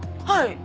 はい。